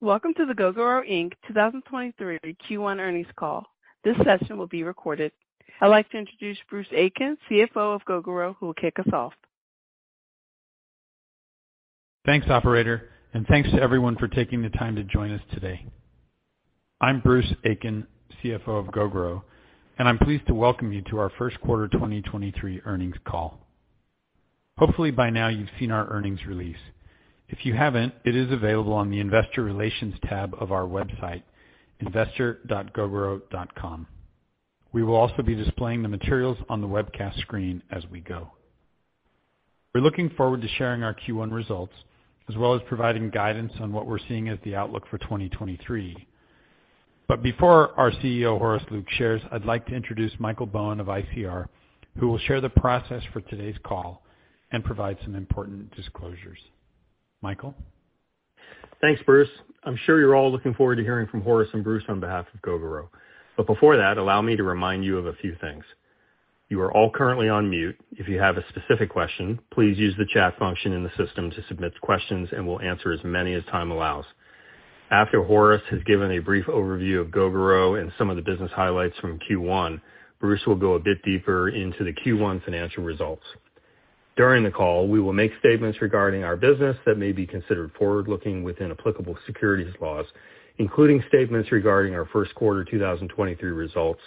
Welcome to the Gogoro Inc. 2023 Q1 Earnings Call. This session will be recorded. I'd like to introduce Bruce Aitken, CFO of Gogoro, who will kick us off. Thanks, operator, and thanks to everyone for taking the time to join us today. I'm Bruce Aitken, CFO of Gogoro, and I'm pleased to welcome you to our First Quarter 2023 Earnings Call. Hopefully by now you've seen our earnings release. If you haven't, it is available on the investor relations tab of our website, investor.gogoro.com. We will also be displaying the materials on the webcast screen as we go. We're looking forward to sharing our Q1 results, as well as providing guidance on what we're seeing as the outlook for 2023. Before our CEO, Horace Luke shares, I'd like to introduce Michael Bowen of ICR, who will share the process for today's call and provide some important disclosures. Michael. Thanks, Bruce. I'm sure you're all looking forward to hearing from Horace and Bruce on behalf of Gogoro. Before that, allow me to remind you of a few things. You are all currently on mute. If you have a specific question, please use the chat function in the system to submit the questions, and we'll answer as many as time allows. After Horace has given a brief overview of Gogoro and some of the business highlights from Q1, Bruce will go a bit deeper into the Q1 financial results. During the call, we will make statements regarding our business that may be considered forward-looking within applicable securities laws, including statements regarding our first quarter 2023 results,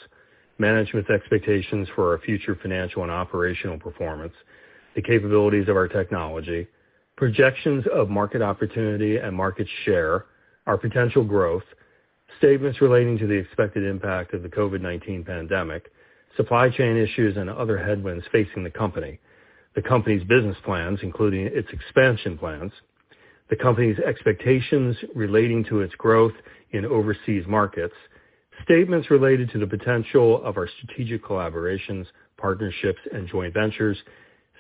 management's expectations for our future financial and operational performance, the capabilities of our technology, projections of market opportunity and market share, our potential growth, statements relating to the expected impact of the COVID-19 pandemic, supply chain issues, and other headwinds facing the company, the company's business plans, including its expansion plans, the company's expectations relating to its growth in overseas markets, statements related to the potential of our strategic collaborations, partnerships, and joint ventures,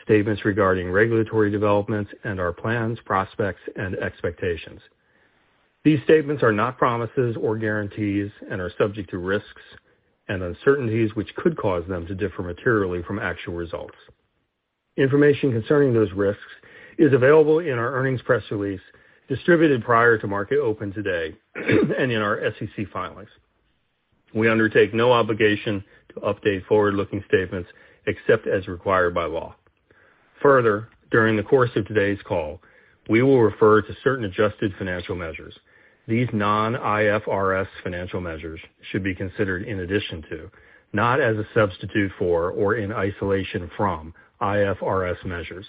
statements regarding regulatory developments and our plans, prospects, and expectations. These statements are not promises or guarantees and are subject to risks and uncertainties which could cause them to differ materially from actual results. Information concerning those risks is available in our earnings press release distributed prior to market open today and in our SEC filings. We undertake no obligation to update forward-looking statements except as required by law. During the course of today's call, we will refer to certain adjusted financial measures. These non-IFRS financial measures should be considered in addition to, not as a substitute for or in isolation from IFRS measures.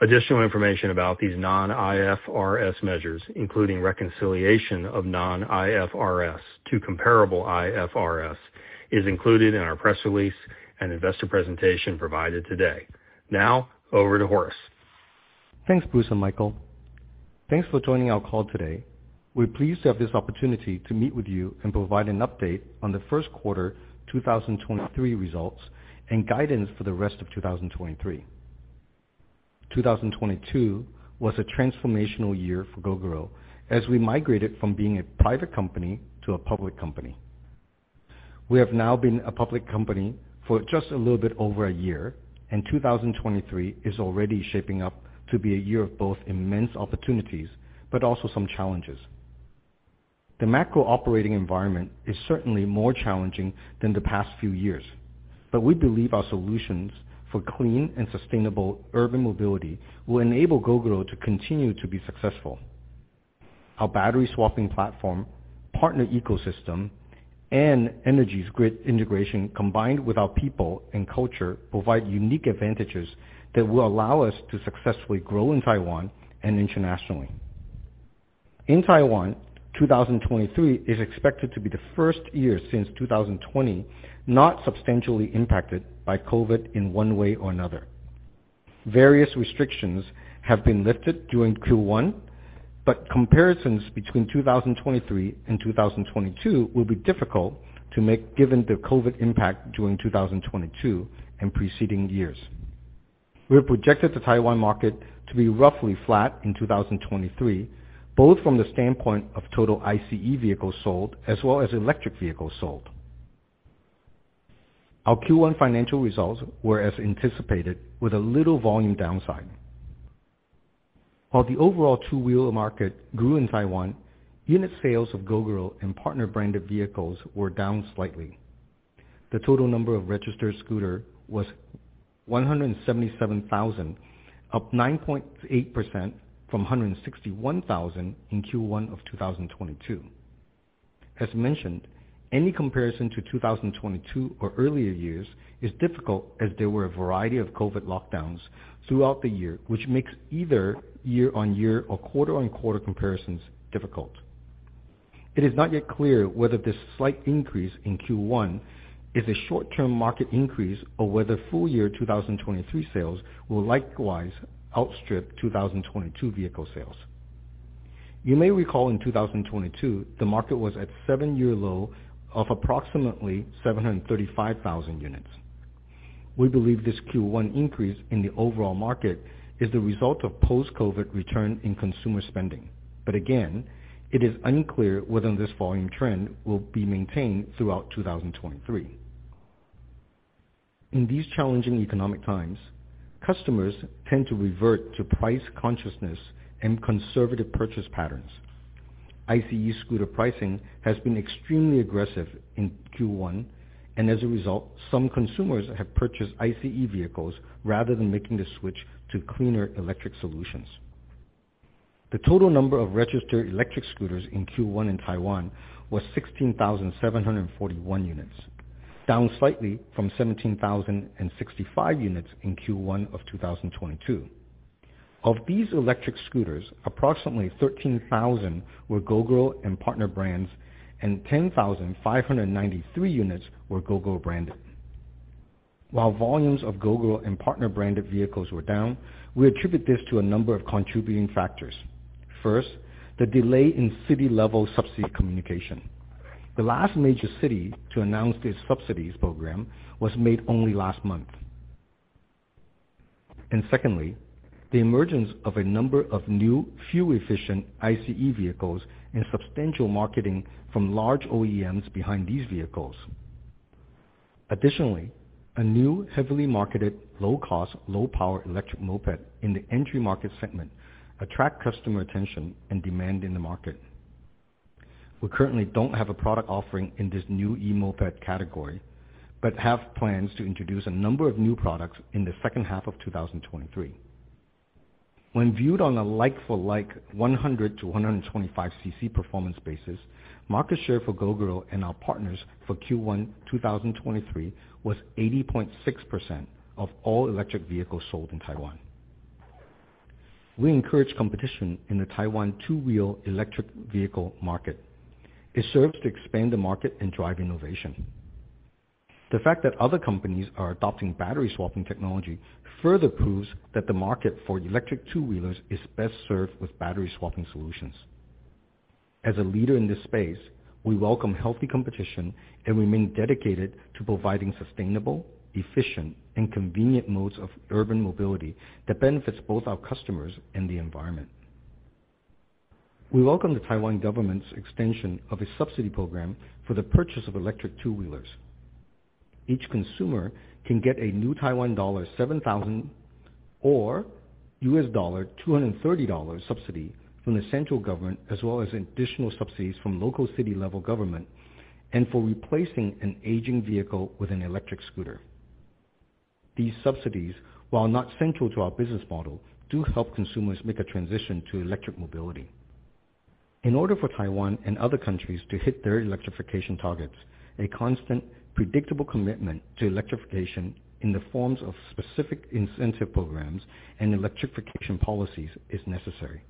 Additional information about these non-IFRS measures, including reconciliation of non-IFRS to comparable IFRS, is included in our press release and investor presentation provided today. Now over to Horace. Thanks, Bruce and Michael. Thanks for joining our call today. We're pleased to have this opportunity to meet with you and provide an update on the first quarter 2023 results and guidance for the rest of 2023. 2022 was a transformational year for Gogoro as we migrated from being a private company to a public company. We have now been a public company for just a little bit over a year, and 2023 is already shaping up to be a year of both immense opportunities but also some challenges. The macro operating environment is certainly more challenging than the past few years, but we believe our solutions for clean and sustainable urban mobility will enable Gogoro to continue to be successful. Our battery swapping platform, partner ecosystem, and energies grid integration, combined with our people and culture, provide unique advantages that will allow us to successfully grow in Taiwan and internationally. In Taiwan, 2023 is expected to be the first year since 2020 not substantially impacted by COVID in one way or another. Various restrictions have been lifted during Q1, comparisons between 2023 and 2022 will be difficult to make given the COVID impact during 2022 and preceding years. We have projected the Taiwan market to be roughly flat in 2023, both from the standpoint of total ICE vehicles sold as well as electric vehicles sold. Our Q1 financial results were as anticipated with a little volume downside. While the overall two-wheeler market grew in Taiwan, unit sales of Gogoro and partner branded vehicles were down slightly. The total number of registered scooter was 177,000, up 9.8% from 161,000 in Q1 of 2022. As mentioned, any comparison to 2022 or earlier years is difficult as there were a variety of COVID-19 lockdowns throughout the year, which makes either year-on-year or quarter-on-quarter comparisons difficult. It is not yet clear whether this slight increase in Q1 is a short-term market increase or whether full year 2023 sales will likewise outstrip 2022 vehicle sales. You may recall in 2022, the market was at seven-year low of approximately 735,000 units. We believe this Q1 increase in the overall market is the result of post-COVID-19 return in consumer spending. Again, it is unclear whether this volume trend will be maintained throughout 2023. In these challenging economic times, customers tend to revert to price consciousness and conservative purchase patterns. ICE scooter pricing has been extremely aggressive in Q1, and as a result, some consumers have purchased ICE vehicles rather than making the switch to cleaner electric solutions. The total number of registered electric scooters in Q1 in Taiwan was 16,741 units, down slightly from 17,065 units in Q1 of 2022. Of these electric scooters, approximately 13,000 were Gogoro and partner brands, and 10,593 units were Gogoro branded. While volumes of Gogoro and partner branded vehicles were down, we attribute this to a number of contributing factors. First, the delay in city level subsidy communication. The last major city to announce its subsidies program was made only last month. Secondly, the emergence of a number of new fuel efficient ICE vehicles and substantial marketing from large OEMs behind these vehicles. Additionally, a new heavily marketed low-cost, low-power electric moped in the entry market segment attract customer attention and demand in the market. We currently don't have a product offering in this new e-moped category, but have plans to introduce a number of new products in the second half of 2023. When viewed on a like for like 100-125cc performance basis, market share for Gogoro and our partners for Q1 2023 was 80.6% of all electric vehicles sold in Taiwan. We encourage competition in the Taiwan two-wheel electric vehicle market. It serves to expand the market and drive innovation. The fact that other companies are adopting battery swapping technology further proves that the market for electric two-wheelers is best served with battery swapping solutions. As a leader in this space, we welcome healthy competition and remain dedicated to providing sustainable, efficient, and convenient modes of urban mobility that benefits both our customers and the environment. We welcome the Taiwan government's extension of a subsidy program for the purchase of electric two-wheelers. Each consumer can get a new Taiwan dollar 7,000 or $230 subsidy from the central government, as well as additional subsidies from local city level government, and for replacing an aging vehicle with an electric scooter. These subsidies, while not central to our business model, do help consumers make a transition to electric mobility. In order for Taiwan and other countries to hit their electrification targets, a constant predictable commitment to electrification in the forms of specific incentive programs and electrification policies is necessary.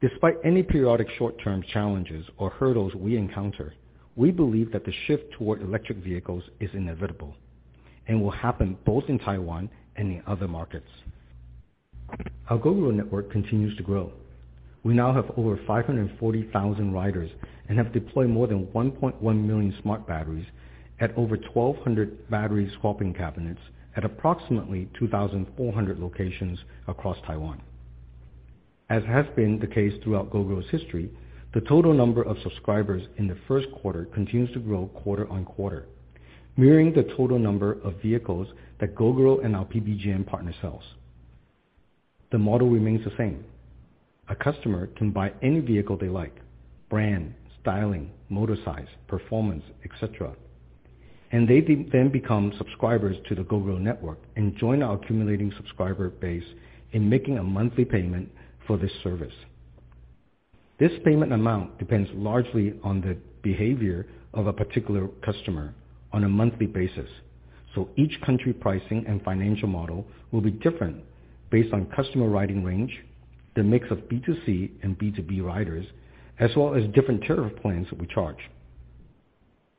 Despite any periodic short-term challenges or hurdles we encounter, we believe that the shift toward electric vehicles is inevitable and will happen both in Taiwan and in other markets. Our Gogoro network continues to grow. We now have over 540,000 riders and have deployed more than 1.1 million smart batteries at over 1,200 battery swapping cabinets at approximately 2,400 locations across Taiwan. As has been the case throughout Gogoro's history, the total number of subscribers in the first quarter continues to grow quarter-on-quarter, mirroring the total number of vehicles that Gogoro and our PBGN partner sells. The model remains the same. A customer can buy any vehicle they like, brand, styling, motor size, performance, et cetera, and they then become subscribers to the Gogoro network and join our accumulating subscriber base in making a monthly payment for this service. This payment amount depends largely on the behavior of a particular customer on a monthly basis. Each country pricing and financial model will be different based on customer riding range, the mix of B2C and B2B riders, as well as different tariff plans that we charge.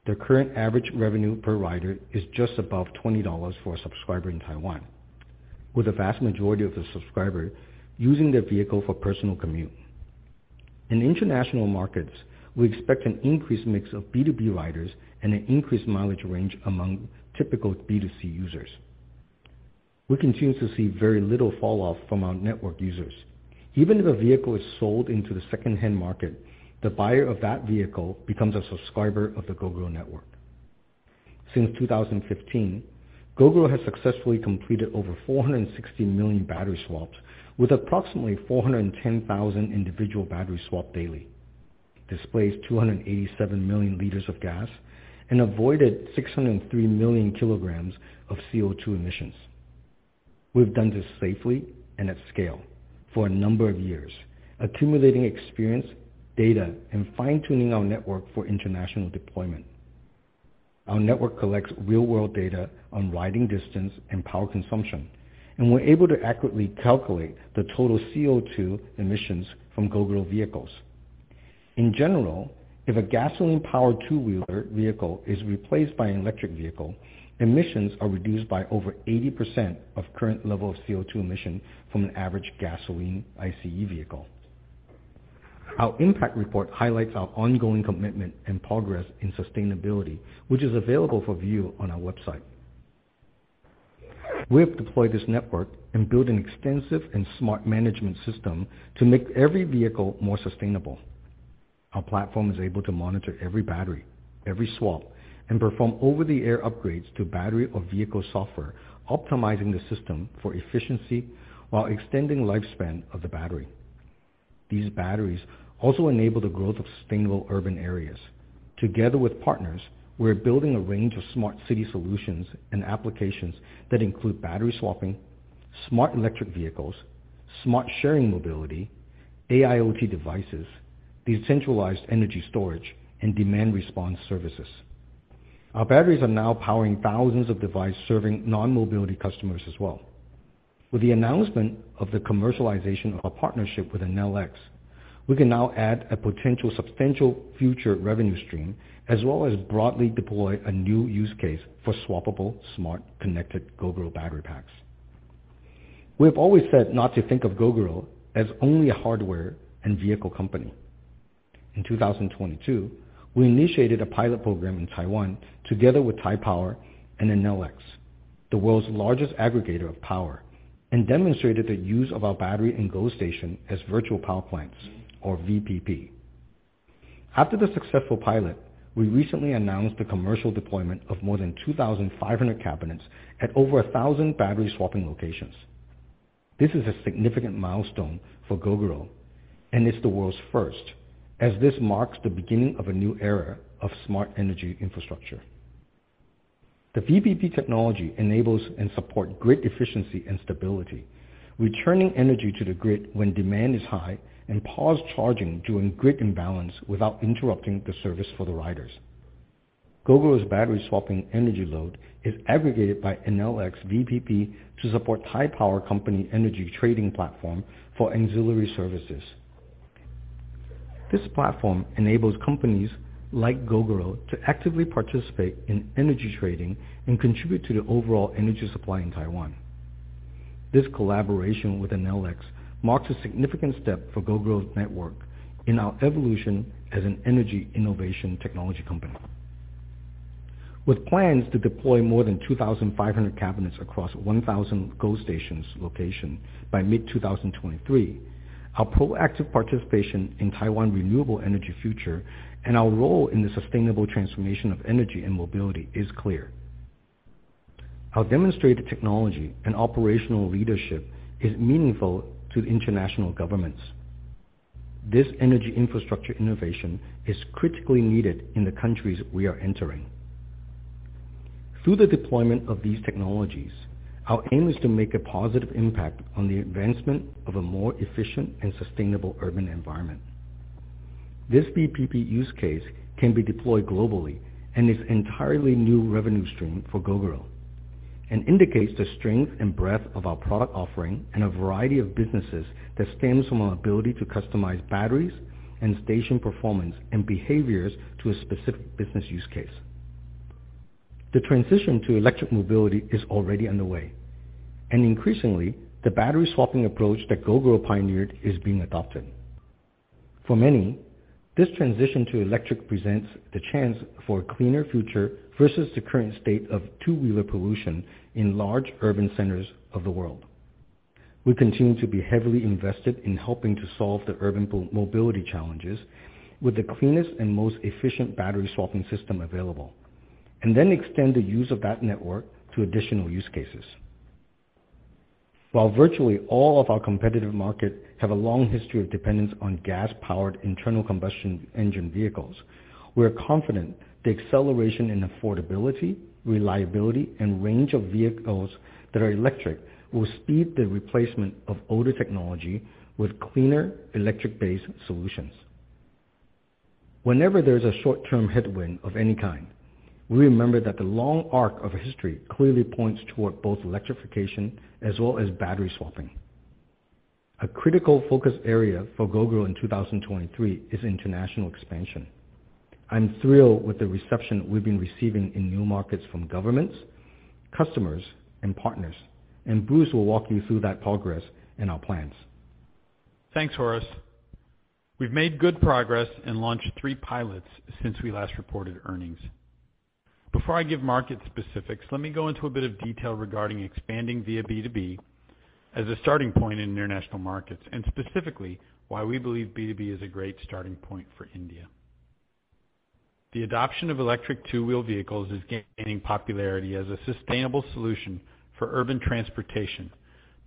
The current average revenue per rider is just above $20 for a subscriber in Taiwan, with the vast majority of the subscriber using their vehicle for personal commute. In international markets, we expect an increased mix of B2B riders and an increased mileage range among typical B2C users. We continue to see very little fall off from our network users. Even if a vehicle is sold into the secondhand market, the buyer of that vehicle becomes a subscriber of the Gogoro network. Since 2015, Gogoro has successfully completed over 460 million battery swaps with approximately 410,000 individual battery swap daily, displaced 287 million liters of gas, and avoided 603 million kgs of CO2 emissions. We've done this safely and at scale for a number of years, accumulating experience, data, and fine-tuning our network for international deployment. Our network collects real-world data on riding distance and power consumption, and we're able to accurately calculate the total CO2 emissions from Gogoro vehicles. In general, if a gasoline-powered two-wheeler vehicle is replaced by an electric vehicle, emissions are reduced by over 80% of current level of CO2 emission from an average gasoline ICE vehicle. Our impact report highlights our ongoing commitment and progress in sustainability, which is available for view on our website. We have deployed this network and built an extensive and smart management system to make every vehicle more sustainable. Our platform is able to monitor every battery, every swap, and perform over-the-air upgrades to battery or vehicle software, optimizing the system for efficiency while extending lifespan of the battery. These batteries also enable the growth of sustainable urban areas. Together with partners, we're building a range of smart city solutions and applications that include battery swapping, smart electric vehicles, smart sharing mobility, AIoT devices, the centralized energy storage, and demand response services. Our batteries are now powering thousands of devices serving non-mobility customers as well. With the announcement of the commercialization of our partnership with Enel X, we can now add a potential substantial future revenue stream, as well as broadly deploy a new use case for swappable, smart, connected Gogoro battery packs. We have always said not to think of Gogoro as only a hardware and vehicle company. In 2022, we initiated a pilot program in Taiwan together with Taipower and Enel X, the world's largest aggregator of power, and demonstrated the use of our battery and GoStation as virtual power plants or VPP. After the successful pilot, we recently announced the commercial deployment of more than 2,500 cabinets at over 1,000 battery swapping locations. This is a significant milestone for Gogoro, and it's the world's first, as this marks the beginning of a new era of smart energy infrastructure. The VPP technology enables and support grid efficiency and stability, returning energy to the grid when demand is high and pause charging during grid imbalance without interrupting the service for the riders. Gogoro's battery swapping energy load is aggregated by Enel X VPP to support Taipower Company Energy Trading Platform for ancillary services. This platform enables companies like Gogoro to actively participate in energy trading and contribute to the overall energy supply in Taiwan. This collaboration with Enel X marks a significant step for Gogoro's network in our evolution as an energy innovation technology company. With plans to deploy more than 2,500 cabinets across 1,000 GoStations location by mid-2023, our proactive participation in Taiwan renewable energy future and our role in the sustainable transformation of energy and mobility is clear. Our demonstrated technology and operational leadership is meaningful to international governments. This energy infrastructure innovation is critically needed in the countries we are entering. Through the deployment of these technologies, our aim is to make a positive impact on the advancement of a more efficient and sustainable urban environment. This VPP use case can be deployed globally and is entirely new revenue stream for Gogoro, and indicates the strength and breadth of our product offering in a variety of businesses that stems from our ability to customize batteries and station performance and behaviors to a specific business use case. The transition to electric mobility is already underway, and increasingly, the battery swapping approach that Gogoro pioneered is being adopted. For many, this transition to electric presents the chance for a cleaner future versus the current state of two-wheeler pollution in large urban centers of the world. We continue to be heavily invested in helping to solve the urban mobility challenges with the cleanest and most efficient battery swapping system available, and then extend the use of that network to additional use cases. While virtually all of our competitive markets have a long history of dependence on gas-powered internal combustion engine vehicles, we're confident the acceleration in affordability, reliability, and range of vehicles that are electric will speed the replacement of older technology with cleaner electric-based solutions. Whenever there's a short-term headwind of any kind, we remember that the long arc of history clearly points toward both electrification as well as battery swapping. A critical focus area for Gogoro in 2023 is international expansion. I'm thrilled with the reception we've been receiving in new markets from governments, customers, and partners. Bruce will walk you through that progress and our plans. Thanks, Horace. We've made good progress and launched three pilots since we last reported earnings. Before I give market specifics, let me go into a bit of detail regarding expanding via B2B as a starting point in international markets, and specifically why we believe B2B is a great starting point for India. The adoption of electric two-wheel vehicles is gaining popularity as a sustainable solution for urban transportation,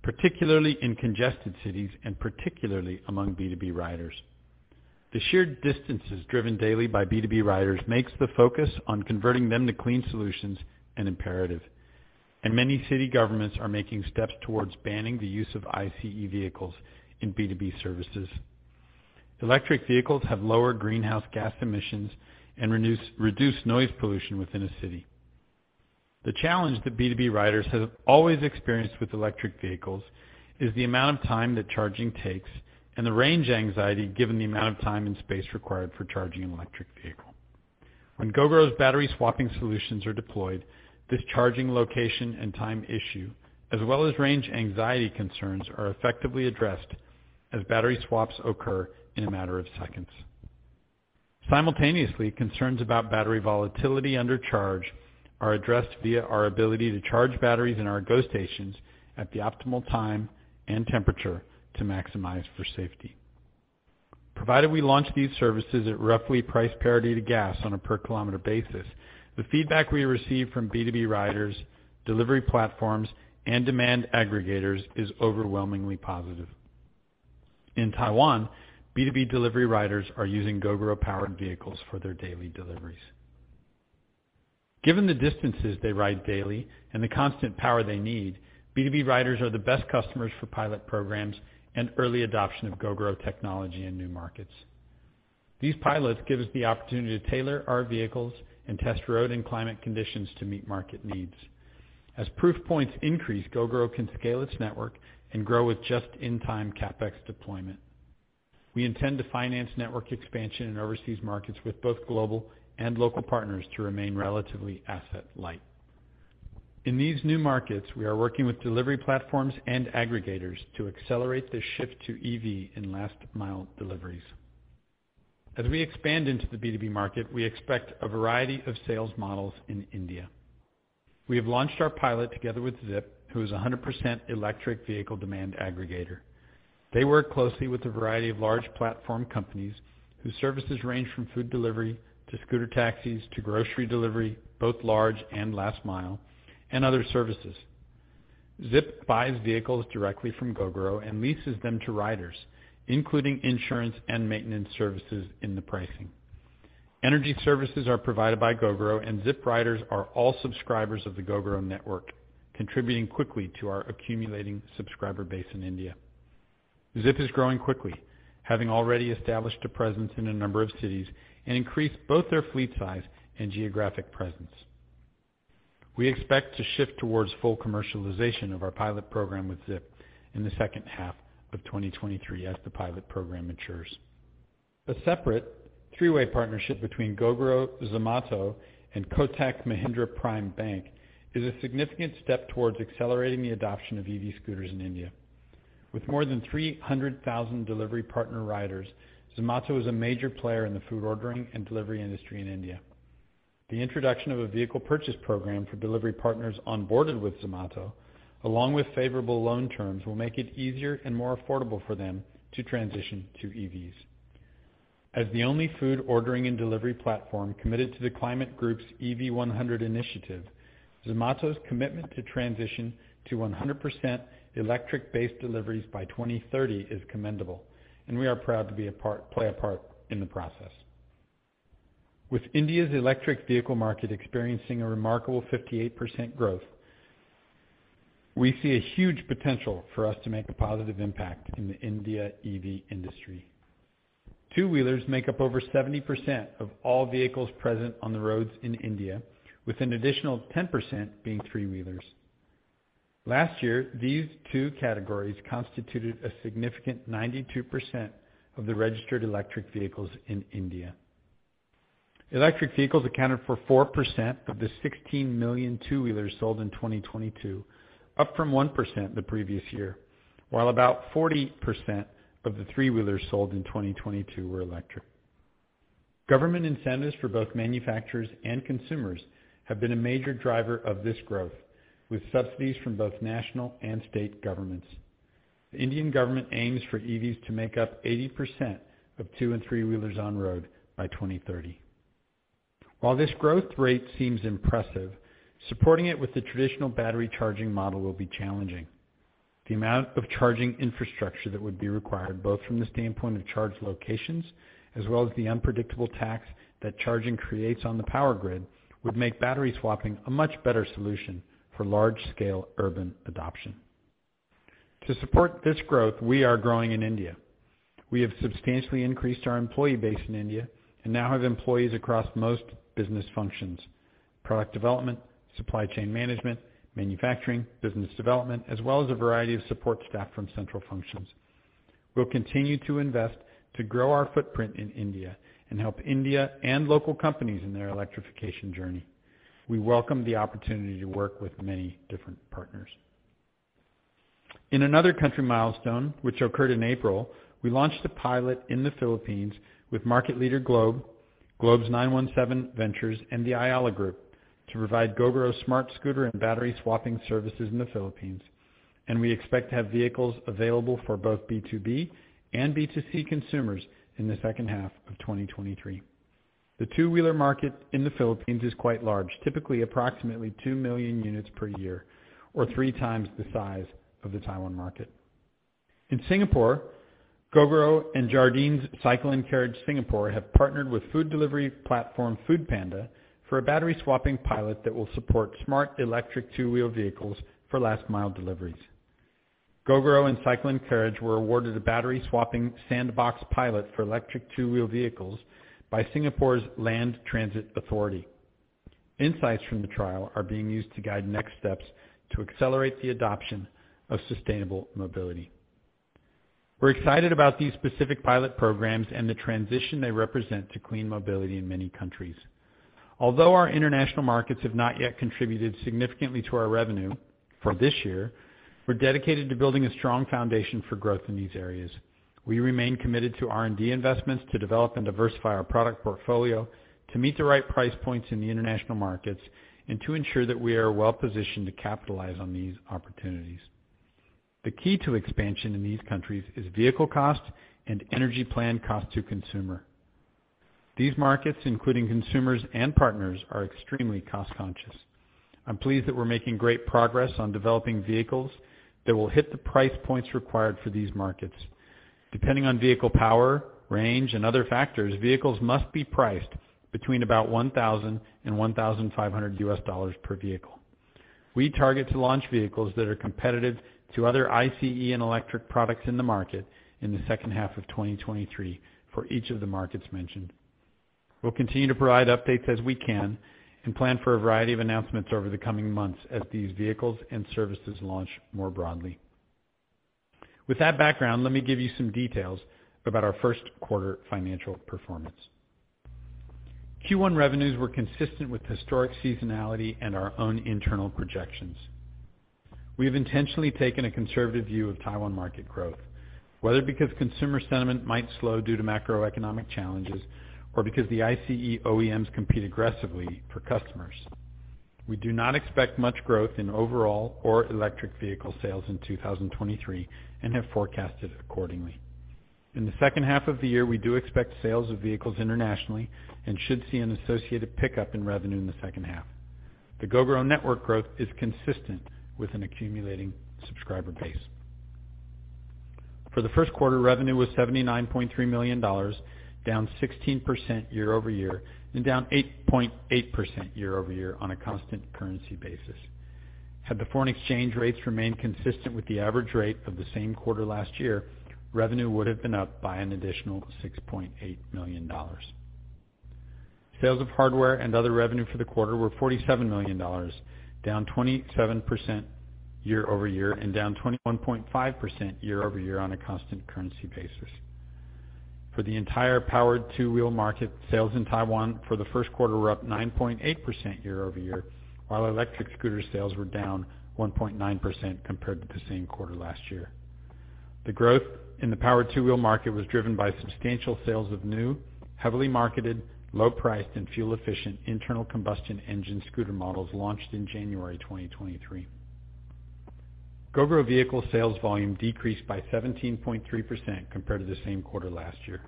particularly in congested cities and particularly among B2B riders. The sheer distances driven daily by B2B riders makes the focus on converting them to clean solutions an imperative, and many city governments are making steps towards banning the use of ICE vehicles in B2B services. Electric vehicles have lower greenhouse gas emissions and reduce noise pollution within a city. The challenge that B2B riders have always experienced with electric vehicles is the amount of time that charging takes and the range anxiety given the amount of time and space required for charging an electric vehicle. When Gogoro's battery swapping solutions are deployed, this charging location and time issue, as well as range anxiety concerns, are effectively addressed as battery swaps occur in a matter of seconds. Simultaneously, concerns about battery volatility under charge are addressed via our ability to charge batteries in our GoStations at the optimal time and temperature to maximize for safety. Provided we launch these services at roughly price parity to gas on a per-kilometer basis, the feedback we receive from B2B riders, delivery platforms, and demand aggregators is overwhelmingly positive. In Taiwan, B2B delivery riders are using Gogoro powered vehicles for their daily deliveries. Given the distances they ride daily and the constant power they need, B2B riders are the best customers for pilot programs and early adoption of Gogoro technology in new markets. These pilots give us the opportunity to tailor our vehicles and test road and climate conditions to meet market needs. As proof points increase, Gogoro can scale its network and grow with just-in-time CapEx deployment. We intend to finance network expansion in overseas markets with both global and local partners to remain relatively asset light. In these new markets, we are working with delivery platforms and aggregators to accelerate the shift to EV in last mile deliveries. As we expand into the B2B market, we expect a variety of sales models in India. We have launched our pilot together with Zypp, who is a 100% electric vehicle demand aggregator. They work closely with a variety of large platform companies whose services range from food delivery to scooter taxis to grocery delivery, both large and last mile, and other services. Zypp buys vehicles directly from Gogoro and leases them to riders, including insurance and maintenance services in the pricing. Energy services are provided by Gogoro and Zypp riders are all subscribers of the Gogoro network, contributing quickly to our accumulating subscriber base in India. Zypp is growing quickly, having already established a presence in a number of cities and increased both their fleet size and geographic presence. We expect to shift towards full commercialization of our pilot program with Zypp in the second half of 2023 as the pilot program matures. A separate three-way partnership between Gogoro, Zomato, and Kotak Mahindra Prime Bank is a significant step towards accelerating the adoption of EV scooters in India. With more than 300,000 delivery partner riders, Zomato is a major player in the food ordering and delivery industry in India. The introduction of a vehicle purchase program for delivery partners onboarded with Zomato, along with favorable loan terms, will make it easier and more affordable for them to transition to EVs. As the only food ordering and delivery platform committed to the Climate Group's EV100 initiative, Zomato's commitment to transition to 100% electric-based deliveries by 2030 is commendable, and we are proud to play a part in the process. With India's electric vehicle market experiencing a remarkable 58% growth, we see a huge potential for us to make a positive impact in the India EV industry. Two-wheelers make up over 70% of all vehicles present on the roads in India, with an additional 10% being three-wheelers. Last year, these two categories constituted a significant 92% of the registered electric vehicles in India. Electric vehicles accounted for 4% of the 16 million two-wheelers sold in 2022, up from 1% the previous year, while about 40% of the three-wheelers sold in 2022 were electric. Government incentives for both manufacturers and consumers have been a major driver of this growth, with subsidies from both national and state governments. The Indian government aims for EVs to make up 80% of two and three-wheelers on road by 2030. This growth rate seems impressive, supporting it with the traditional battery charging model will be challenging. The amount of charging infrastructure that would be required, both from the standpoint of charge locations as well as the unpredictable tax that charging creates on the power grid, would make battery swapping a much better solution for large scale urban adoption. To support this growth, we are growing in India. We have substantially increased our employee base in India and now have employees across most business functions, product development, supply chain management, manufacturing, business development, as well as a variety of support staff from central functions. We'll continue to invest to grow our footprint in India and help India and local companies in their electrification journey. We welcome the opportunity to work with many different partners. In another country milestone, which occurred in April, we launched a pilot in the Philippines with market leader Globe's 917Ventures, and the Ayala Group to provide Gogoro smart scooter and battery swapping services in the Philippines. We expect to have vehicles available for both B2B and B2C consumers in the second half of 2023. The two-wheeler market in the Philippines is quite large, typically approximately 2 million units per year or 3x the size of the Taiwan market. In Singapore, Gogoro and Jardine Cycle & Carriage Singapore have partnered with food delivery platform, foodpanda, for a battery swapping pilot that will support smart electric two-wheel vehicles for last mile deliveries. Gogoro and Cycle & Carriage were awarded a battery swapping sandbox pilot for electric two-wheel vehicles by Singapore's Land Transport Authority. Insights from the trial are being used to guide next steps to accelerate the adoption of sustainable mobility. We're excited about these specific pilot programs and the transition they represent to clean mobility in many countries. Although our international markets have not yet contributed significantly to our revenue for this year, we're dedicated to building a strong foundation for growth in these areas. We remain committed to R&D investments to develop and diversify our product portfolio, to meet the right price points in the international markets, and to ensure that we are well-positioned to capitalize on these opportunities. The key to expansion in these countries is vehicle cost and energy plan cost to consumer. These markets, including consumers and partners, are extremely cost-conscious. I'm pleased that we're making great progress on developing vehicles that will hit the price points required for these markets. Depending on vehicle power, range, and other factors, vehicles must be priced between about $1,000 and $1,500 per vehicle. We target to launch vehicles that are competitive to other ICE and electric products in the market in the second half of 2023 for each of the markets mentioned. We'll continue to provide updates as we can and plan for a variety of announcements over the coming months as these vehicles and services launch more broadly. With that background, let me give you some details about our first quarter financial performance. Q1 revenues were consistent with historic seasonality and our own internal projections. We have intentionally taken a conservative view of Taiwan market growth, whether because consumer sentiment might slow due to macroeconomic challenges or because the ICE OEMs compete aggressively for customers. We do not expect much growth in overall or electric vehicle sales in 2023 and have forecasted accordingly. In the second half of the year, we do expect sales of vehicles internationally and should see an associated pickup in revenue in the second half. The Gogoro network growth is consistent with an accumulating subscriber base. For the first quarter, revenue was $79.3 million, down 16% year-over-year and down 8.8% year-over-year on a constant currency basis. Had the foreign exchange rates remained consistent with the average rate of the same quarter last year, revenue would have been up by an additional $6.8 million. Sales of hardware and other revenue for the quarter were $47 million, down 27% year-over-year and down 21.5% year-over-year on a constant currency basis. For the entire powered two-wheel market, sales in Taiwan for the first quarter were up 9.8% year-over-year, while electric scooter sales were down 1.9% compared to the same quarter last year. The growth in the power two-wheel market was driven by substantial sales of new, heavily marketed, low-priced, and fuel-efficient internal combustion engine scooter models launched in January 2023. Gogoro vehicle sales volume decreased by 17.3% compared to the same quarter last year.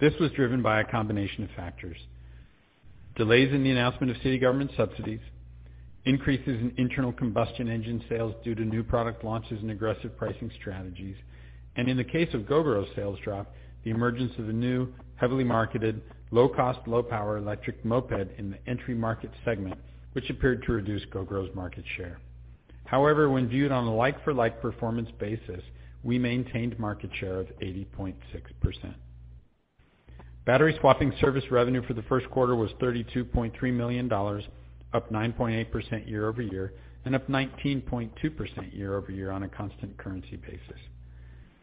This was driven by a combination of factors, delays in the announcement of city government subsidies, increases in internal combustion engine sales due to new product launches and aggressive pricing strategies. In the case of Gogoro's sales drop, the emergence of a new, heavily marketed, low-cost, low-power e-moped in the entry market segment, which appeared to reduce Gogoro's market share. However, when viewed on a like-for-like performance basis, we maintained market share of 80.6%. Battery swapping service revenue for the first quarter was $32.3 million, up 9.8% year-over-year and up 19.2% year-over-year on a constant currency basis.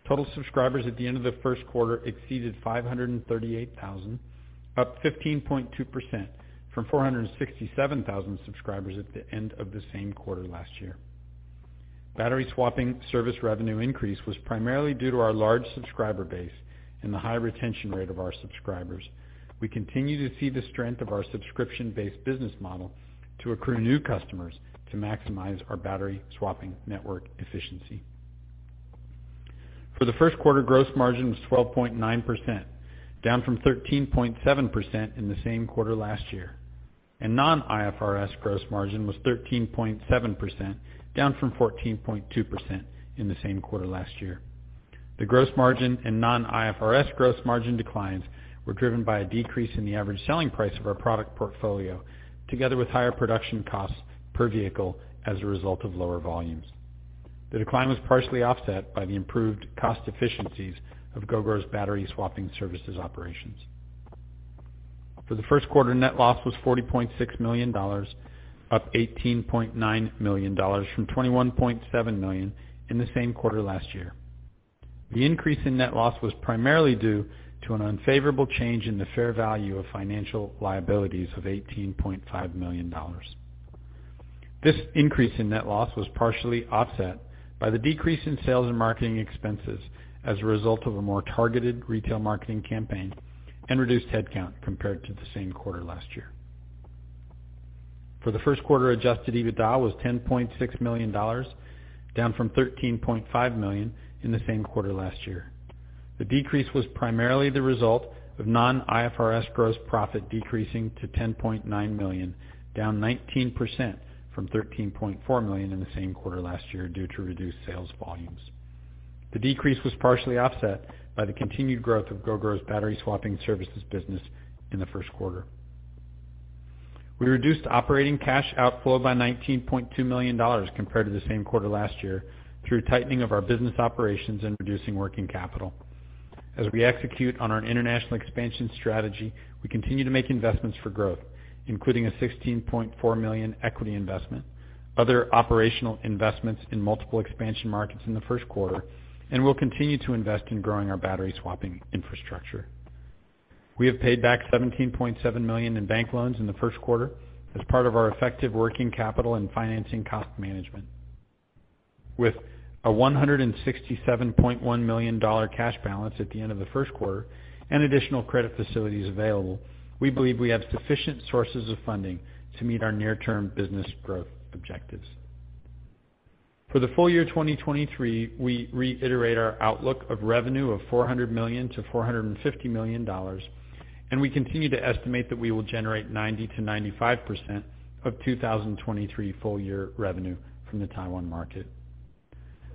Total subscribers at the end of the first quarter exceeded 538,000, up 15.2% from 467,000 subscribers at the end of the same quarter last year. Battery swapping service revenue increase was primarily due to our large subscriber base and the high retention rate of our subscribers. We continue to see the strength of our subscription-based business model to accrue new customers to maximize our battery swapping network efficiency. For the first quarter, gross margin was 12.9%, down from 13.7% in the same quarter last year. A non-IFRS gross margin was 13.7%, down from 14.2% in the same quarter last year. The gross margin and non-IFRS gross margin declines were driven by a decrease in the average selling price of our product portfolio, together with higher production costs per vehicle as a result of lower volumes. The decline was partially offset by the improved cost efficiencies of Gogoro's battery swapping services operations. For the first quarter, net loss was $40.6 million, up $18.9 million from $21.7 million in the same quarter last year. The increase in net loss was primarily due to an unfavorable change in the fair value of financial liabilities of $18.5 million. This increase in net loss was partially offset by the decrease in sales and marketing expenses as a result of a more targeted retail marketing campaign and reduced headcount compared to the same quarter last year. For the first quarter, Adjusted EBITDA was $10.6 million, down from $13.5 million in the same quarter last year. The decrease was primarily the result of non-IFRS gross profit decreasing to $10.9 million, down 19% from $13.4 million in the same quarter last year due to reduced sales volumes. The decrease was partially offset by the continued growth of Gogoro's battery swapping services business in the first quarter. We reduced operating cash outflow by $19.2 million compared to the same quarter last year through tightening of our business operations and reducing working capital. We execute on our international expansion strategy, we continue to make investments for growth, including a $16.4 million equity investment, other operational investments in multiple expansion markets in the first quarter, and we'll continue to invest in growing our battery swapping infrastructure. We have paid back $17.7 million in bank loans in the first quarter as part of our effective working capital and financing cost management. With a $167.1 million cash balance at the end of the first quarter and additional credit facilities available, we believe we have sufficient sources of funding to meet our near-term business growth objectives. For the full year 2023, we reiterate our outlook of revenue of $400 million-$450 million, and we continue to estimate that we will generate 90%-95% of 2023 full year revenue from the Taiwan market.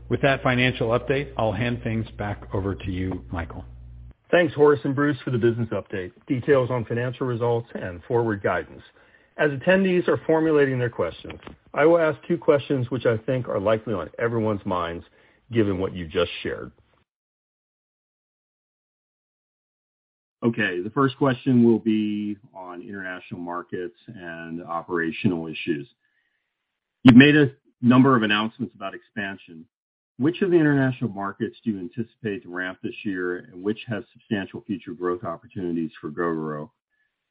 With that financial update, I'll hand things back over to you, Michael. Thanks, Horace and Bruce, for the business update, details on financial results and forward guidance. As attendees are formulating their questions, I will ask two questions which I think are likely on everyone's minds, given what you just shared. The first question will be on international markets and operational issues. You've made a number of announcements about expansion. Which of the international markets do you anticipate to ramp this year, and which has substantial future growth opportunities for Gogoro?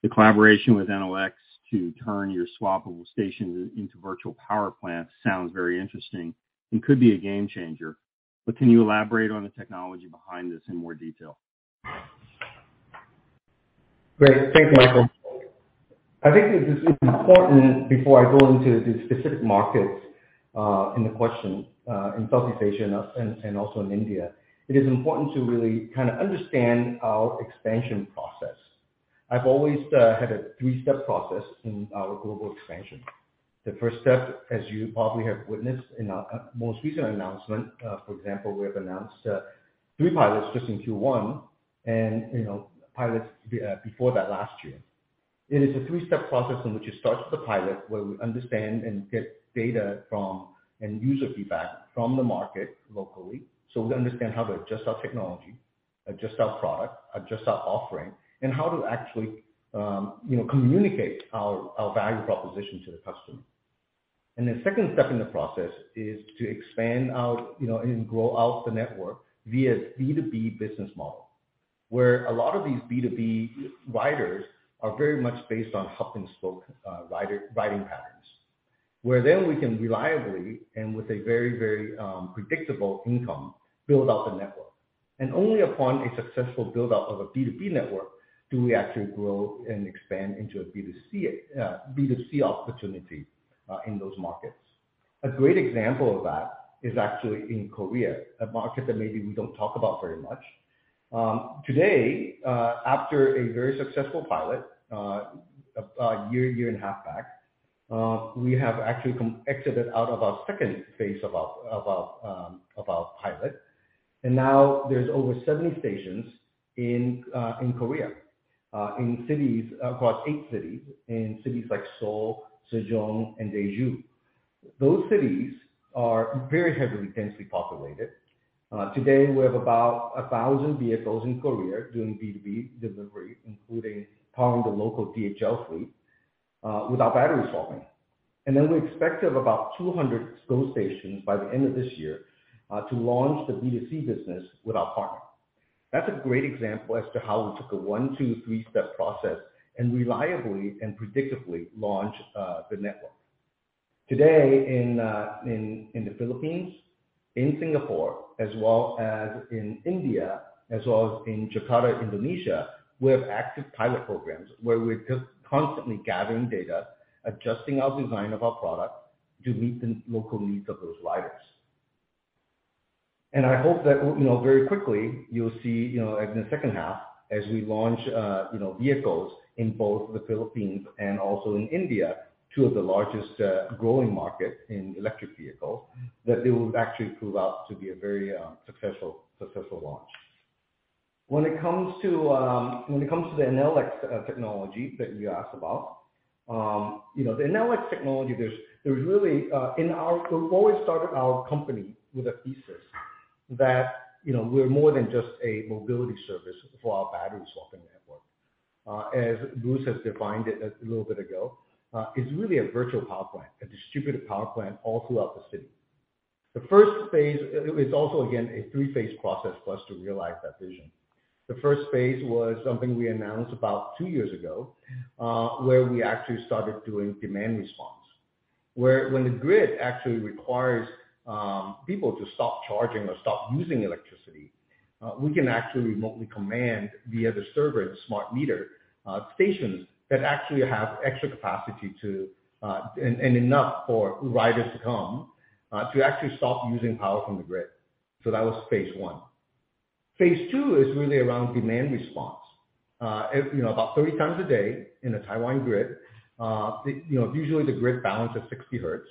The collaboration with Enel X to turn your swappable stations into virtual power plants sounds very interesting and could be a game changer, but can you elaborate on the technology behind this in more detail? Great. Thank you, Michael. I think it is important before I go into the specific markets, in the question, in Southeast Asia and also in India, it is important to really kind of understand our expansion process. I've always had a three-step process in our global expansion. The first step, as you probably have witnessed in our most recent announcement, for example, we have announced three pilots just in Q1 and, you know, pilots before that last year. It is a three-step process in which it starts with a pilot where we understand and get data from and user feedback from the market locally. We understand how to adjust our technology, adjust our product, adjust our offering, and how to actually, you know, communicate our value proposition to the customer. The second step in the process is to expand out, you know, and grow out the network via B2B business model, where a lot of these B2B riders are very much based on hub and spoke, riding patterns, where then we can reliably and with a very, very predictable income, build out the network. Only upon a successful build-out of a B2B network, do we actually grow and expand into a B2C opportunity in those markets. A great example of that is actually in Korea, a market that maybe we don't talk about very much. Today, after a very successful pilot, about a year and a half back, we have actually exited out of our phase II of our pilot. Now there's over 70 stations in Korea, across eight cities, in cities like Seoul, Sejong, and Jeju. Those cities are very heavily densely populated. Today we have about 1,000 vehicles in Korea doing B2B delivery, including powering the local DHL fleet, with our battery swapping. Then we expect to have about 200 GoStations by the end of this year, to launch the B2C business with our partner. That's a great example as to how we took a one, two, three-step process and reliably and predictably launched the network. Today in the Philippines, in Singapore, as well as in India, as well as in Jakarta, Indonesia, we have active pilot programs where we're just constantly gathering data, adjusting our design of our product to meet the local needs of those riders. I hope that, you know, very quickly you'll see, you know, in the second half as we launch, you know, vehicles in both the Philippines and also in India, two of the largest growing market in electric vehicles, that they will actually prove out to be a very successful launch. When it comes to, when it comes to the Enel X technology that you asked about, you know, the Enel X technology, there's really, we've always started our company with a thesis that, you know, we're more than just a mobility service for our battery swapping network. As Bruce has defined it a little bit ago, it's really a virtual power plant, a distributed power plant all throughout the city. It's also, again, a three-phase process for us to realize that vision. The phase I was something we announced about two years ago, where we actually started doing demand response. Where when the grid actually requires people to stop charging or stop using electricity, we can actually remotely command via the server and smart meter, stations that actually have extra capacity to, and enough for riders to come, to actually stop using power from the grid. That was phase I. Phase II is really around demand response. If, you know, about 30x a day in a Taiwan grid, the, you know, usually the grid balance is 60 Hz,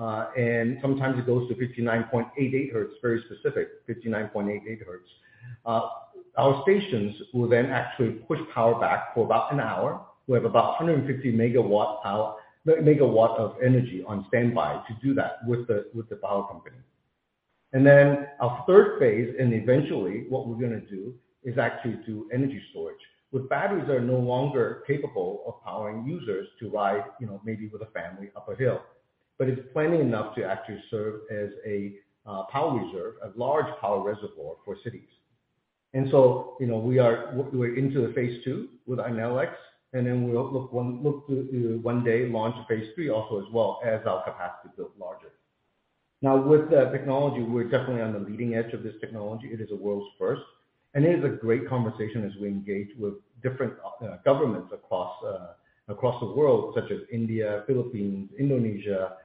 and sometimes it goes to 59.88 Hz, very specific, 59.88 Hz. Our stations will then actually push power back for about an hour. We have about 150 MW of energy on standby to do that with the power company. Our phase III, and eventually what we're gonna do is actually do energy storage. With batteries that are no longer capable of powering users to ride, you know, maybe with a family up a hill. It's plenty enough to actually serve as a power reserve, a large power reservoir for cities. You know, we're into the phase II with Enel X, and then we'll look to one day launch phase III also as well as our capacity builds larger. Now, with the technology, we're definitely on the leading edge of this technology. It is a world's first, and it is a great conversation as we engage with different governments across across the world, such as India, Philippines, Indonesia,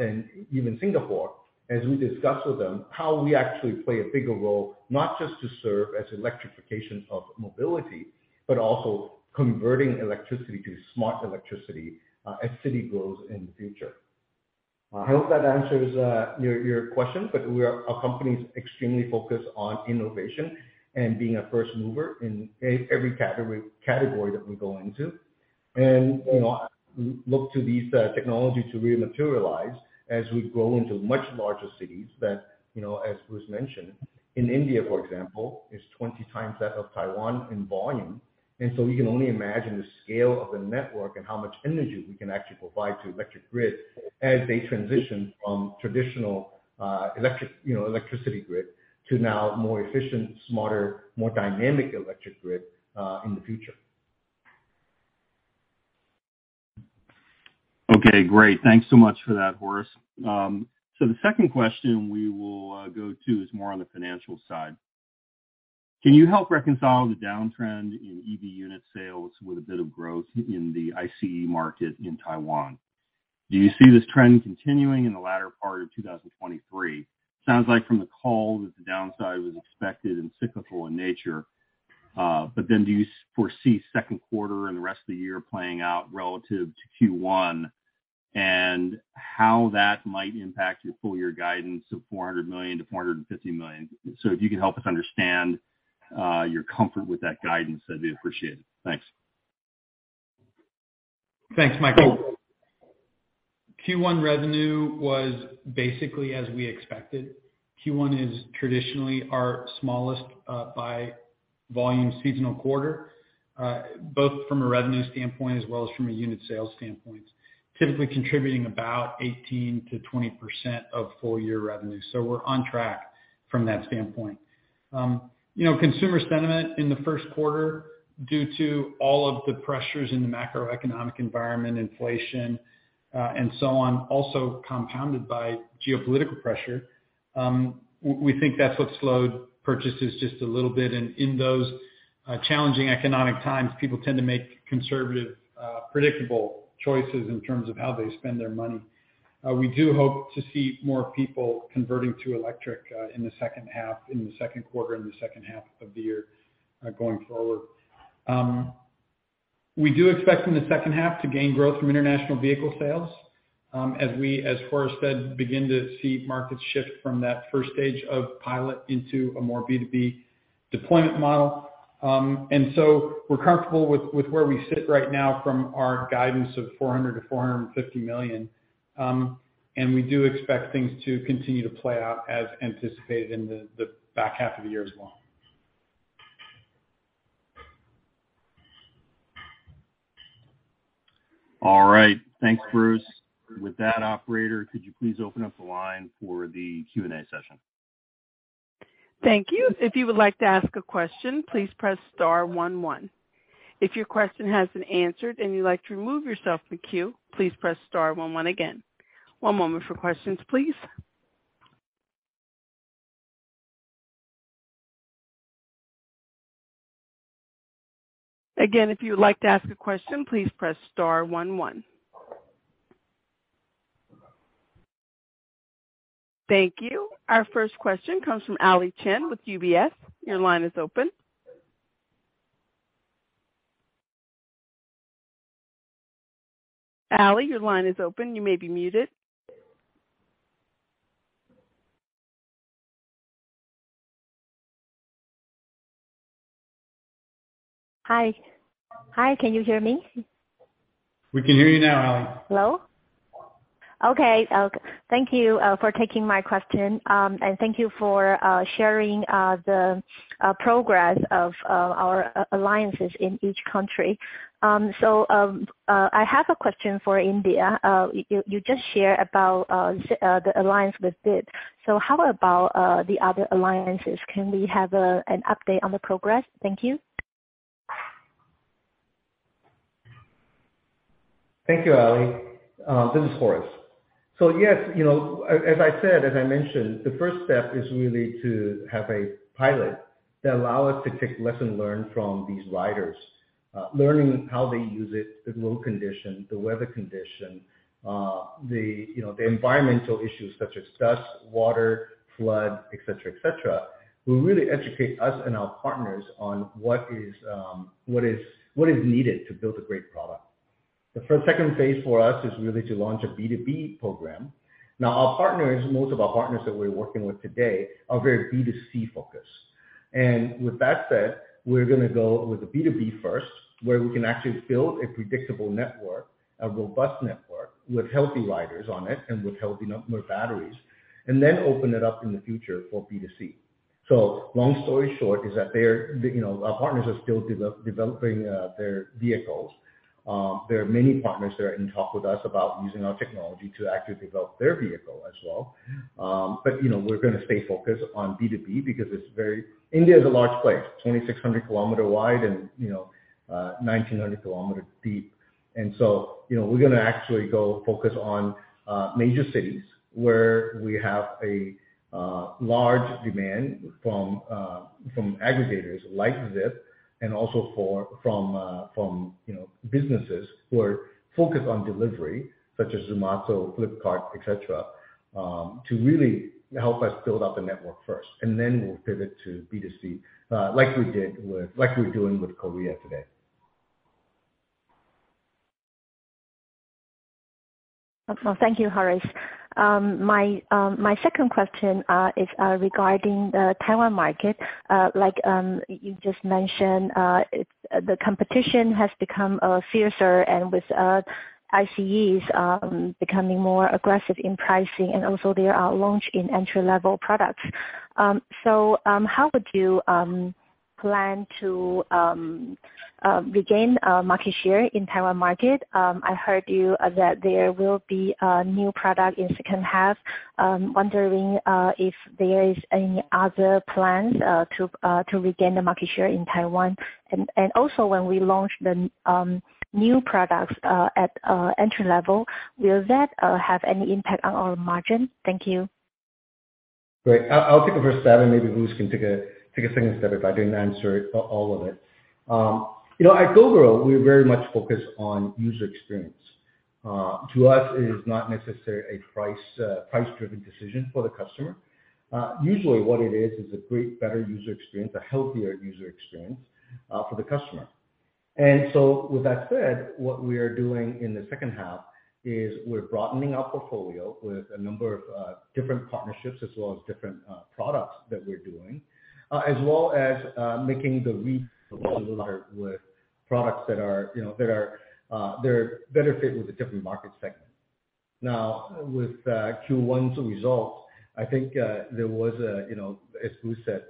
and even Singapore, as we discuss with them how we actually play a bigger role, not just to serve as electrification of mobility, but also converting electricity to smart electricity as city grows in the future. I hope that answers your question. Our company is extremely focused on innovation and being a first mover in every category that we go into. You know, look to these technology to really materialize as we grow into much larger cities that, you know, as was mentioned, in India, for example, is 20x that of Taiwan in volume. We can only imagine the scale of the network and how much energy we can actually provide to electric grid as they transition from traditional, electric, you know, electricity grid to now more efficient, smarter, more dynamic electric grid, in the future. Okay, great. Thanks so much for that, Horace. The second question we will go to is more on the financial side. Can you help reconcile the downtrend in EV unit sales with a bit of growth in the ICE market in Taiwan? Do you see this trend continuing in the latter part of 2023? Sounds like from the call that the downside was expected and cyclical in nature, but then do you foresee second quarter and the rest of the year playing out relative to Q1, and how that might impact your full year guidance of $400 million-$450 million? If you could help us understand your comfort with that guidance, I'd appreciate it. Thanks. Thanks, Michael. Q1 revenue was basically as we expected. Q1 is traditionally our smallest by volume seasonal quarter, both from a revenue standpoint as well as from a unit sales standpoint, typically contributing about 18%-20% of full year revenue. We're on track from that standpoint. You know, consumer sentiment in the first quarter, due to all of the pressures in the macroeconomic environment, inflation, and so on, also compounded by geopolitical pressure, we think that's what slowed purchases just a little bit. In those challenging economic times, people tend to make conservative, predictable choices in terms of how they spend their money. We do hope to see more people converting to electric in the second half, in the second quarter and the second half of the year, going forward. We do expect in the second half to gain growth from international vehicle sales, as we, as Horace said, begin to see markets shift from that first stage of pilot into a more B2B deployment model. We're comfortable with where we sit right now from our guidance of $400 million-$450 million. We do expect things to continue to play out as anticipated in the back half of the year as well. All right. Thanks, Bruce. With that, operator, could you please open up the line for the Q&A session? Thank you. If you would like to ask a question, please press star one one. If your question has been answered and you'd like to remove yourself from the queue, please press star one one again. One moment for questions, please. Again, if you would like to ask a question, please press star one one. Thank you. Our first question comes from Ally Chen with UBS. Your line is open. Ally, your line is open. You may be muted. Hi. Hi, can you hear me? We can hear you now, Ally. Hello? Okay. Thank you for taking my question, and thank you for sharing the progress of our alliances in each country. I have a question for India. You just share about the alliance with BEL. How about the other alliances? Can we have an update on the progress? Thank you. Thank you, Ally. This is Horace. Yes, you know, as I said, as I mentioned, the first step is really to have a pilot that allow us to take lesson learned from these riders. Learning how they use it, the road condition, the weather condition, the, you know, the environmental issues such as dust, water, flood, et cetera, et cetera, will really educate us and our partners on what is, what is needed to build a great product. The first, phase II for us is really to launch a B2B program. Our partners, most of our partners that we're working with today are very B2C focused. With that said, we're gonna go with the B2B first, where we can actually build a predictable network, a robust network with healthy riders on it and with healthy with batteries, and then open it up in the future for B2C. Long story short is that they're, you know, our partners are still developing their vehicles. There are many partners that are in talk with us about using our technology to actually develop their vehicle as well. You know, we're gonna stay focused on B2B because it's very. India is a large place, 2,600 km wide and, you know, 1,900 km deep. You know, we're gonna actually go focus on major cities where we have a large demand from from aggregators like Zypp and also for, from, you know, businesses who are focused on delivery such as Zomato, Flipkart, et cetera, to really help us build up a network first, and then we'll pivot to B2C, like we're doing with Korea today. Thank you, Horace. My second question is regarding the Taiwan market. Like you just mentioned, the competition has become fiercer and with ICEs becoming more aggressive in pricing and also their launch in entry-level products. How would you plan to regain market share in Taiwan market? I heard you that there will be a new product in second half. Wondering if there is any other plans to regain the market share in Taiwan? Also when we launch the new products at entry-level, will that have any impact on our margin? Thank you. Great. I'll take the first stab and maybe Bruce can take a second stab if I didn't answer all of it. You know, at Gogoro, we're very much focused on user experience. To us it is not necessarily a price-driven decision for the customer. Usually what it is a great better user experience, a healthier user experience for the customer. With that said, what we are doing in the second half is we're broadening our portfolio with a number of different partnerships as well as different products that we're doing as well as making the leap with products that are, you know, that are better fit with a different market segment. With Q1's result, I think, there was a, you know, as Bruce said,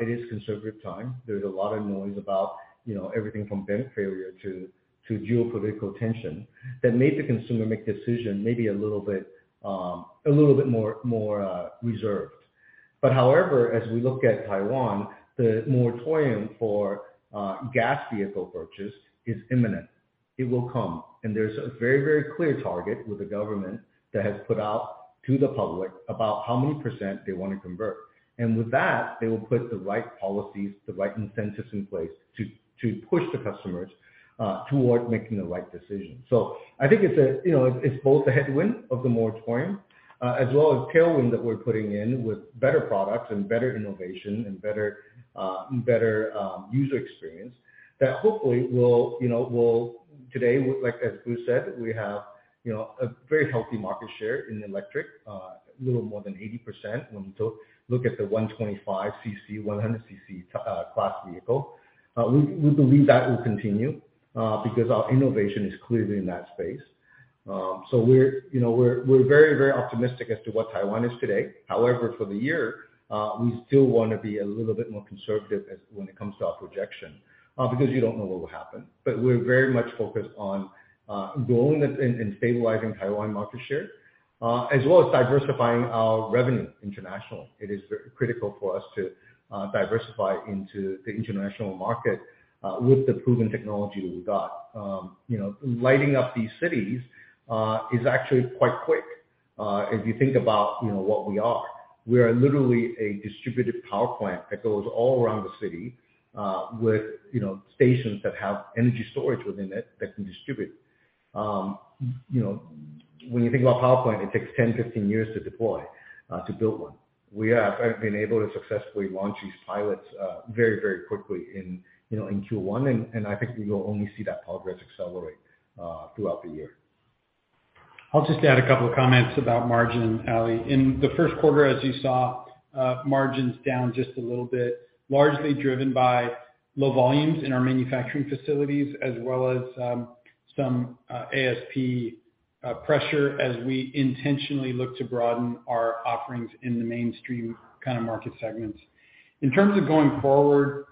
it is conservative time. There's a lot of noise about, you know, everything from bank failure to geopolitical tension that made the consumer make decision maybe a little bit, a little bit more reserved. However, as we look at Taiwan, the moratorium for gas vehicle purchase is imminent. It will come. There's a very, very clear target with the government that has put out to the public about how many percentage they want to convert. With that, they will put the right policies, the right incentives in place to push the customers towards making the right decision. I think it's you know, it's both a headwind of the moratorium, as well as tailwind that we're putting in with better products and better innovation and better user experience that hopefully will, you know, will today, like as Bruce said, we have, you know, a very healthy market share in electric, a little more than 80% when we look at the 125cc, 100cc class vehicle. We believe that will continue because our innovation is clearly in that space. So we're, you know, we're very, very optimistic as to what Taiwan is today. However, for the year, we still wanna be a little bit more conservative as when it comes to our projection, because you don't know what will happen. We're very much focused on growing and stabilizing Taiwan market share, as well as diversifying our revenue international. It is very critical for us to diversify into the international market with the proven technology that we've got. You know, lighting up these cities is actually quite quick. If you think about, you know, what we are. We are literally a distributed power plant that goes all around the city with, you know, stations that have energy storage within it that can distribute. You know, when you think about power plant, it takes 10, 15 years to deploy to build one. We have been able to successfully launch these pilots very, very quickly in, you know, in Q1 and I think we will only see that progress accelerate throughout the year. I'll just add a couple of comments about margin, Allie. In the first quarter, as you saw, margins down just a little bit, largely driven by low volumes in our manufacturing facilities as well as some ASP pressure as we intentionally look to broaden our offerings in the mainstream kind of market segments. In terms of going forward,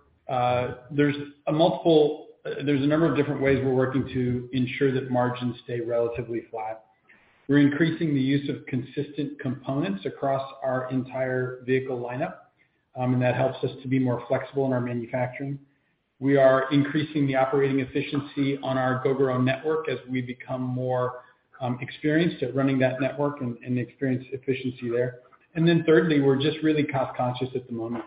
there's a number of different ways we're working to ensure that margins stay relatively flat. We're increasing the use of consistent components across our entire vehicle lineup, and that helps us to be more flexible in our manufacturing. We are increasing the operating efficiency on our Gogoro network as we become more experienced at running that network and experience efficiency there. Then thirdly, we're just really cost conscious at the moment.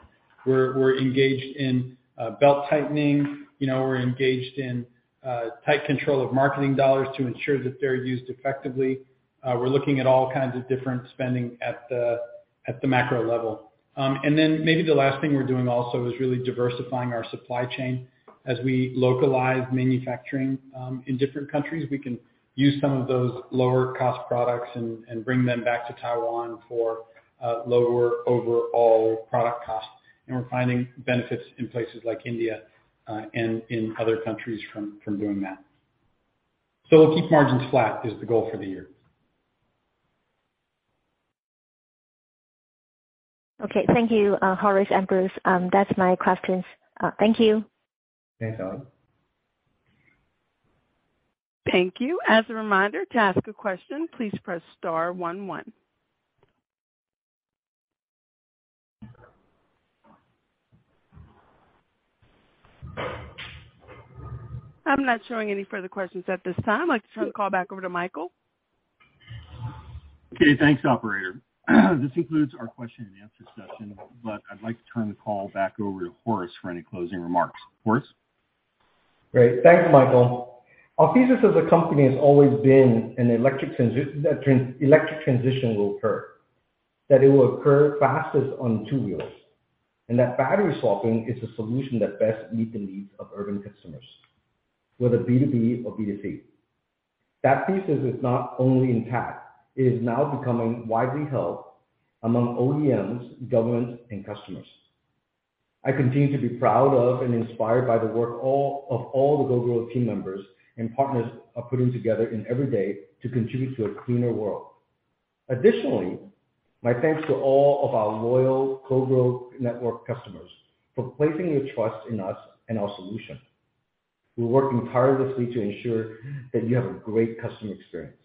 We're engaged in belt-tightening. You know, we're engaged in tight control of marketing dollars to ensure that they're used effectively. We're looking at all kinds of different spending at the macro level. Maybe the last thing we're doing also is really diversifying our supply chain. As we localize manufacturing in different countries, we can use some of those lower cost products and bring them back to Taiwan for lower overall product costs. We're finding benefits in places like India and in other countries from doing that. We'll keep margins flat, is the goal for the year. Okay. Thank you, Horace and Bruce. That's my questions. Thank you. Thanks, Ally. Thank you. As a reminder, to ask a question, please press star one one. I'm not showing any further questions at this time. I'd like to turn the call back over to Michael. Okay, thanks, operator. This concludes our question and answer session, but I'd like to turn the call back over to Horace for any closing remarks. Horace? Great. Thanks, Michael. Our thesis as a company has always been an electric transition will occur, that it will occur fastest on two wheels, and that battery swapping is the solution that best meet the needs of urban customers, whether B2B or B2C. That thesis is not only intact, it is now becoming widely held among OEMs, government, and customers. I continue to be proud of and inspired by the work of all the Gogoro team members and partners are putting together in every day to contribute to a cleaner world. Additionally, my thanks to all of our loyal Gogoro network customers for placing your trust in us and our solution. We're working tirelessly to ensure that you have a great customer experience.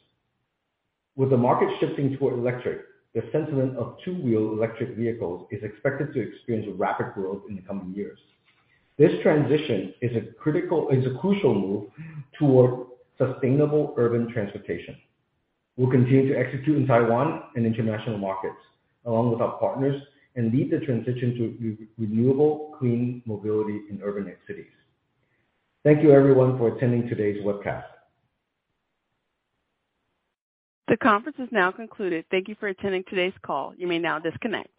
With the market shifting toward electric, the sentiment of two-wheel electric vehicles is expected to experience rapid growth in the coming years. This transition is a crucial move toward sustainable urban transportation. We'll continue to execute in Taiwan and international markets along with our partners and lead the transition to renewable, clean mobility in urbanized cities. Thank you everyone for attending today's webcast. The conference is now concluded. Thank you for attending today's call. You may now disconnect.